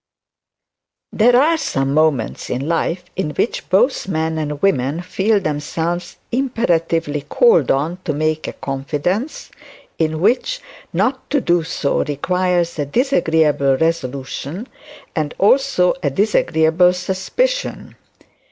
There are some moments in life in which both men and women feel themselves called on to make a confidence; in which not to do so requires a disagreeable resolution and also a disagreeable suspicion.